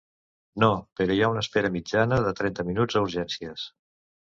No, però hi ha una espera mitjana de trenta minuts a urgències.